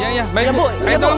ya ya baik